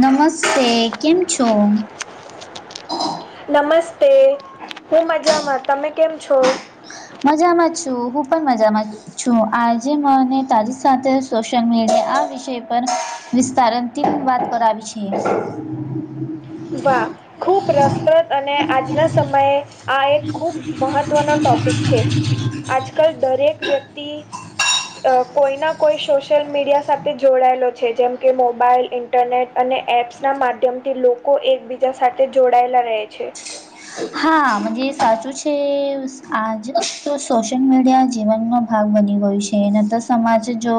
નમસ્તે કેમ છો? નમસ્તે. હું મજામાં. તમે કેમ છો? મજામાં છું હું પન મજામાં છ છું આજે મને તારી સાથે સોશિયલ મીડિયા આ વિષય પર વિસ્તારન તીમ વાત કરાવી છે. વાહ! ખુબ રસપ્રદ અને આજના સમયે આ એક ખૂબ મહત્વનો ટોપિક છે. આજકલ દરેક વ્યક્તિ અ કોઈ ના કોઈ સોશિયલ મીડિયા સાથે જોડાયેલો છે જેમ કે મોબાઈલ, ઈન ટરનેટ અને એપ્સના માધ્યમથી લોકો એકબીજા સાથે જોડાયેલા રહે છે. હા મગે સાચું છે આજ તો સોશિયલ મીડિયા જીવનનો ભાગ બની ગયું છે. એને તો સમાજ જો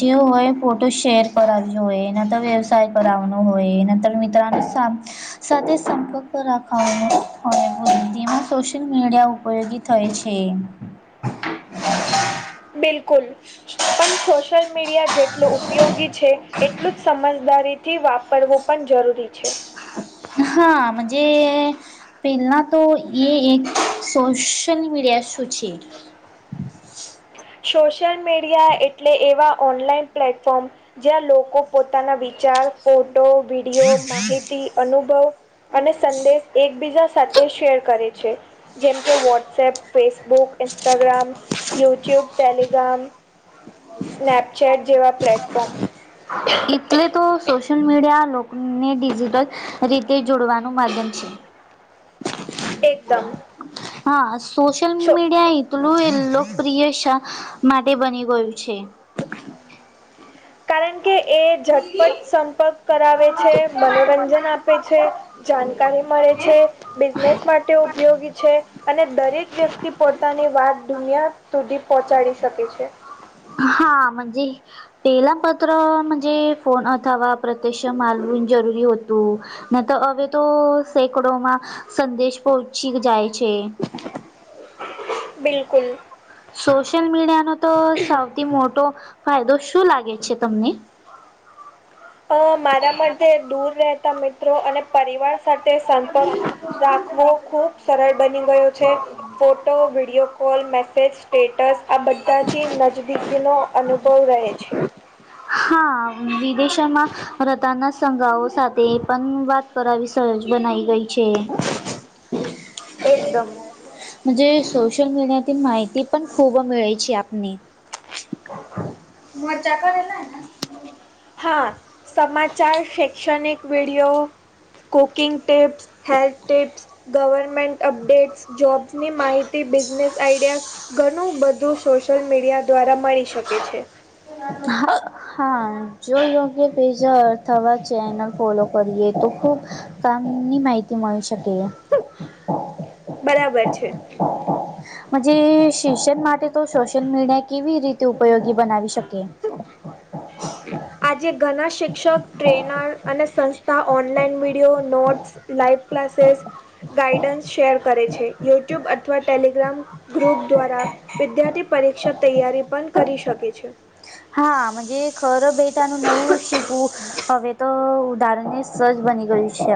જેવો હોય ફોટો શેર કરાવવી જોય એને તો વ્યવસાય કરાવનો હોય એના તો મિત્રને કામ સાથે સંપર્ક રખાવોને હહ એ બધીમાં સોશિયલ મીડિયા ઉપયોગી થાય છે. બિલકુલ. પન સોશિયલ મીડિયા જેટલું ઉપયોગી છે એટલું જ સમજદારી થી વાપરવું પન જરૂરી છે. હા મજે પેલા તો એ એક સોશિયલ મીડિયા શું છે? સોશિયલ મીડિયા એટલે એવા ઓનલાઈન પ્લેટફોર્મ જ્યાં લોકો પોતાના વિચાર, ફોટો, વિ તીયો માહિતી, અનુભવ અને સંદેશ એકબીજા સાથે શેર કરે છે. જેમ કે WhatsApp, Facebook, Instagram, YouTube, Telegram. Snapchat જેવા પ્લેટફોર્મ હવે તો સોશિયલ મીડિયા લોકને ડિજિટલ રીતે જોડવાનું માધ્યમ છે. એકદમ. હા સોશિયલ સો મીડિયા એટલું એ લોકપ્રિય માટે બની ગયું છે. કારણ કે એ ઝટપટ સંપર્ક કરાવે છે, મનોરંજન આપે છે. જાનકારી મળે છે, બિઝનેસ માટે ઉપયોગી છે, અને દરેક વ્યક્તિ પોતાની વાત દુનિયા સુધી પહોંચાડી શકે છે. હા મજે પેલા પત્ર મજે ફોન અથવા વા પ્રત્યક્ષ માલવું ન જરૂરી હોતું. ન તો હવે તો સેંકડોમાં સંદેશ પહોંચી જાય છે. બિલકુલ. સોશિયલ મીડિયાનો તો સૌથી મોટો ફાયદો શું લાગે છે તમને? અ મારા માટે દૂર રહેતા મિત્રો અને પરિવાર સાથે સંપર્ક રાખવો ખુબ સરળ બની ગયો છે. Photo, video call, message, status આ બધાથી નજદીકીનો અનુભવ રહે છે. હા વિદેશમાં રતાના સંઘાઓ સાથે પણ વાત કરાવી સહજ બનાઈ ગઈ છે. એકદમ. જ સોશલ મીડિયાથી માહિતી પણ ખૂબ મેળ છે આપને. મજ્જા [inaudible] હા સમાચાર, શૈક્ષણિક video cooking tips, health tips government update, જોબ્સની માહિતી, બિઝનેસ આઈડિયા ઘણું બધું સોશયલ મીડિયા દ્વારા મળી શકે છે. હ હા જો યોગ્ય પેજ અથવા ચેનલ ફોલો કરીએ તો ખૂબ કામ ની માહિતી મળી શકે. [inaudible] બરાબર છે. [inaudible] શિક્ષણ માટે તો સોશિયલ મીડિયા કેવી રીતે ઉપયોગી બનાવી શકે? આજે ઘણા શિક્ષક ટ્રેનર અને સં ત online video, notes, live classes guidance share કરે છે, યુટ્યુબ અથવા ટેલિગ્રામ ગ્રુપ દ્વારા વિદ્યાર્થી પરીક્ષા તૈયારી પણ કરી શકે છે. હાજ ખર બેટાનું નવું શિકવું હવે તો ઉદાહરણ એ સજ બની ગયું છે.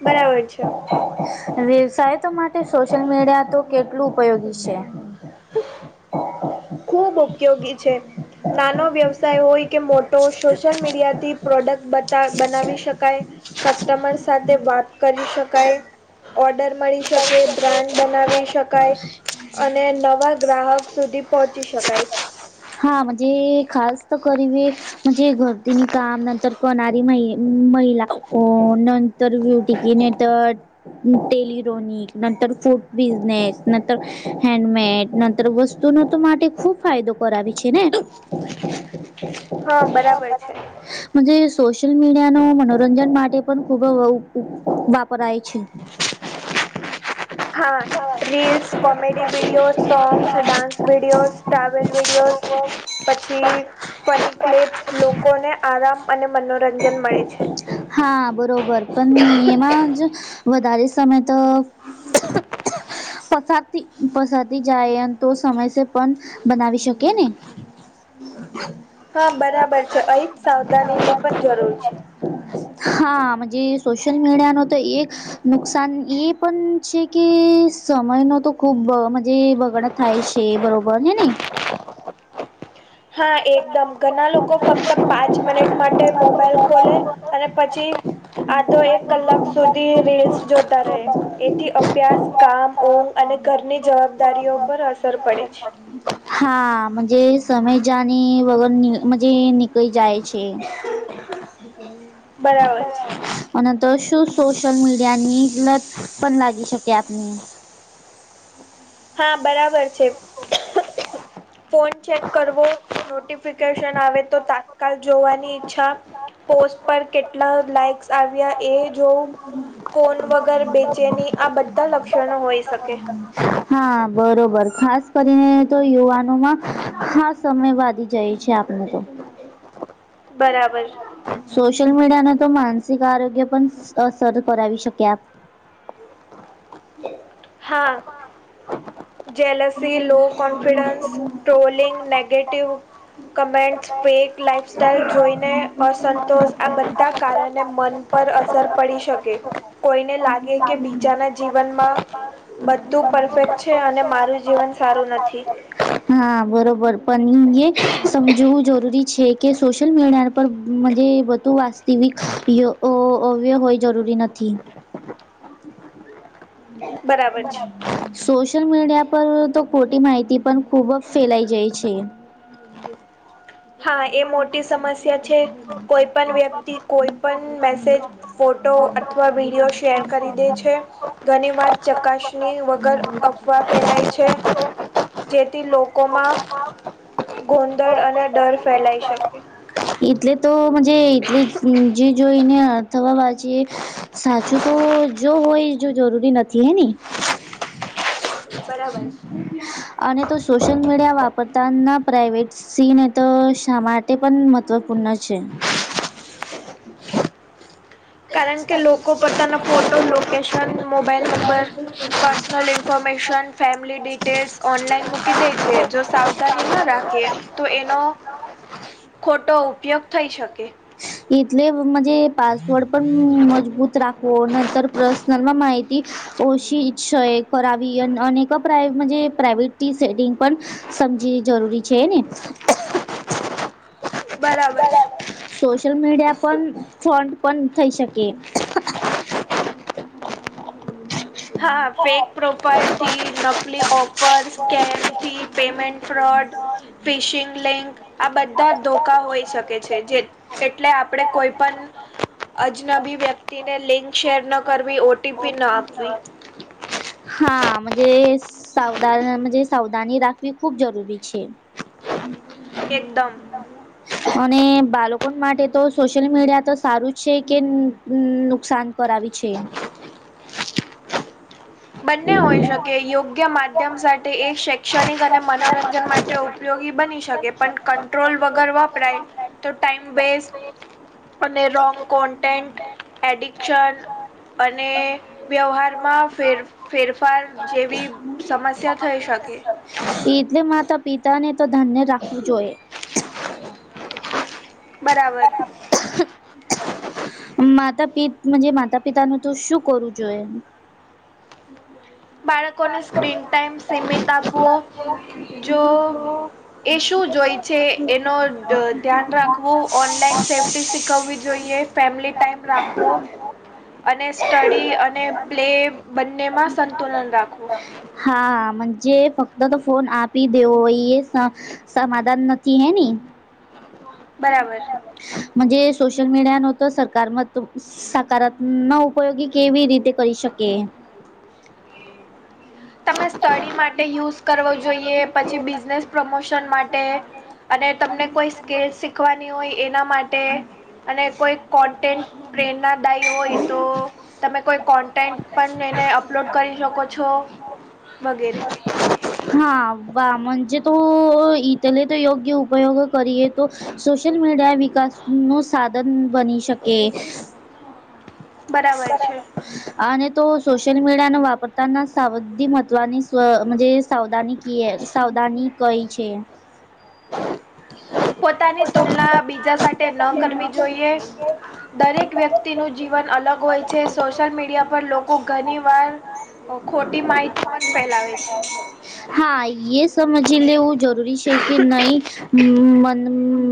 બરાબર છે. વ્યવસાય તો માટે સોશિયલ મીડિયા તો કેટલું ઉપયોગી છે? ખૂબ ઉપયોગી છે. નાનો વ્યવસાય હોય કે મોટો સોશિયલ મીડિયા થી પ્રોડક્ટ બતા બનાવી શકાય કસ્ટમર સાથે વાત કરી શકાય ઓડર મળી શકે, બ્રાન્ડ બનાવી શકાય અને નવા ગ્રાહક સુધી પહોંચી શકાય. હા જે ખાસ તો કરી જ ઘરથી કામ નંતર કરનારી મહિલા કો [unintelligible] [inaudible] ટેલિરોનિક નર, ફૂડ બિઝનેસ, નંતર હેન્ડમેડ, નંતર વસ્ત ન તો માટે ખુબ ફાયદો કરાવી છે ને? હા બરાબર છે [inaudible] સોશિયલ મીડિયા ન મનોરંજન માટે પણ ખૂબ વાપરાય છે હા reels comedy videos songs dance videos travel videos ઓ પછી ફની ક્લેપ્સ લોકોને આરામ અને મનોરંજન મળે છે હા બરોબર પણ એમાજ વધારે સમય તો પસાતી ફસાતી જાય એમ તો સમયસે પણ બનાવી શકે ને. [inaudible] હા, બરાબર છે અહી જ સાવધાનીની પણ જરૂર છે. હા જે સોશિયલ મીડિયા નો તો એ નુકસાન એ પણ છે કે સમય નો તો ખૂબ જે બ બગડ થાય છે બરોબર છે હેને. હા એકદમ ઘણા લોકો ફક્ત પાંચ મિનિટ માટે મોબાઈલ ખોલે અને પછી આધો એક કલાક સુધી રીલ્સ જોતા રહે એથી અભ્યાસ કામ ઊંઘ અને ઘરની જવાબદારીઓ પર અસર પડે છે. હા જે સમય જાની વગરજ નીકળી જાય છે. [inaudible] બરાબર છે. અને તો શું સોશિયલ મીડિયા ની લત પણ લાગી શકે આપને. [inaudible] હા બરાબર છે. [inaudible] ફોન ચેક કરવો નોટિફિકેશન આવે તો તાત્કાલ જોવાની ઈચ્છા પોસ્ટ પર કેટલા લાઈક્સ આવ્યા એ જોવું ફોન વગર બેચેની આ બધા લક્ષણો હોઈ શકે. હા બરોબર ખાસ કરીને તો યુવાનો માં ખાસ સમય વાદી જાય છે આપને તો. બરાબર. સોશિલ મીડિયાને તો માનસિક આરોગ્ય પણ અસર કરાવી શકે આપ હા. Jealousy low confidence, trolling, negative. Comment fake lifestyle જોઈને અસંતોષ આ બધા કારણે મન પર અસર પડી શકે કોઈને લાગે કે બીજાના જીવનમાં બધું પરફેક્ટ છે અને મારું જીવન સારું નથી. હા બરોબર પણ એ સમજવું જરૂરી છે. કે સોશિયલ મીડિયા પર જે બધું વાસ્તવિક અવય હોય જરૂરી નથી. બરાબર છે સોશિયલ મીડિયા પર તો ખોટી માહિતી પણ ખૂબ જ ફેલાઈ જાય છે. [inaudible] હા એ મોટી સમસ્યા છે કોઈ પણ વ્યક્તિ કોઈ પણ મેસેજ ફો ટો અથવા વિડીયો શેર કરી દે છે ઘણી વાર ચકાસણી વગર અપ અફવા ફેલાય છે જેથી લોકોમાં માં [unintelligible] ગોંધળ અને ડર ફેલાઈ શકે. એટલે તોજ એટલે જે જોઈને અથવા બા સાચું તો જો હોય જો જરૂરી નથી હે ને. બરાબર છે. અને તો સોશ શિયલ મીડિયા વાપરતા ના પ્રાઈવેટ. સીન એ તો શા માટે પણ મહત્વપૂર્ણ છે. કારણ કે લોકો પોતાના ફોટો લોકેશન મોબાઈલ નંબર પ personal information family details online મૂકી દે છે જો સાવધાની ન રાખે તો એનો ખોટો ઉપયોગ થઈ શકે. એટલે જે પાસવર્ડ પણ મજબૂત રાખવો અને અધર પ્રસનલમાં માહિતી ઓછીછએ કરાવવી અને પ્રઇવેટ સેટિંગ પણ સમજી જરૂરી છે ને બરાબર છે. સોશિયલ મીડિયા પણ ફ્રોન્ટ પણ થઈ શકે હા ફેક પ્રોફાાઈલથી નકલી ઓફર સ્કેમથી પેમેન્ટ ફ્રોડ ફિશિંગ લિક આ બધા ધોકા હોઈ શકે છે જે એટલે આપડે કોઈ પણ અજનબી વ્યક્તિને લિંક શેર ન કરવી ઓટીપી ના આપવી હાજ સાવધાન સાવધાની રાખવી ખૂબ જરૂરી છે એકદમ અને બાળકો માટે તો સોશિયલ મીડિયા તો સારું જ છે કે નુકસાન કરાવી છે બંને હોય શકે યોગ્ય માધ્ય માધ્યમ સાથે એ શૈક્ષણિક અને મનોરંજન માટે ઉપયોગી બની શકે પણ કંટ્રોલ વગર વાપરાય તો ટાઈમ બેસ્ટ અને રોંગ કોન્ટેન્ટ એડિક્શન અને વ્યવહારમાં ફેર ફેરફાર જેવી સમસ્યા થઈ શકે એટલે માતા પિતા ને તો ધન્ય રાખવું જોઈએ બરાબર માતા પ માતા પિતા ન તો શું કરવું જોઈએ હ બાળકોને સ્ક્રીન ટાઈમ સીમિત આપવો જો એ શું જોય છે એનો ધ્યાન રાખવું ઓનલાઈન સેફ્ટી શીખવવી જોઈએ ફેમિલી ટાઈમ રાખવો અને સ્ટડી અને પ્લે બંનેમાં સંતુલન રહે હાજે ફક્ત તો ફોન આપી દેવ એ સમાધાન નથી હે નની બરાબર જ સોશલ મીડિયા નત સરકાર મ સકારાત્મ ન ઉપયોગી કેવી રીતે કરી શકે તમે સ્ટડી માટે યુઝ કરવો જોઈએ પછી બિઝનેસ પ્રમોશન માટે અને તમને કોઈ સ્કેલ શીખવાની હોય એના માટે અને કોઈ કોન્ટેન્ટ પ્રેરણાદાયી હોય તો તમે કોઈ કોન્ટેન્ટ પણ એને અપલોડ કરી શકો છો [inaudible] [inaudible] વગેરે હા વાજે તો તલે તો યોગ્ય ઉપયોગ કરીએ તો સોશિયલ મીડિયા વિકાસ નું સાધન બની શકે બરાબર છે આ તો સોશિયલ મીડિયા ન વાપર પોતાના સાવધી મહત્વની સ્વ સાવધાની ક સાવધાની કઈ છે [inaudible] પોતાની તુલના બીજા સાથે ન કરવી જોઈએ દરેક વ્યક્તિનું જીવન અલગ હોય છે સોશિયલ મીડિયા પર લોકો ઘણી વાર ખોટી માહિતી પણ ફેલાવે છે હા એ સમજી લેવું જરૂરી છે કે નહી મ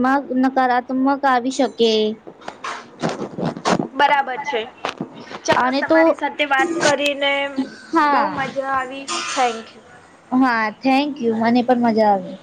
મ નકારાત્મક આવી શકે બરાબર છે ચલો અને તો તમારી સાથે વાત કરીને બહુ હા મજા આવી થેન્ક યુ હા થેન્કયુ મને પણ મજા આવી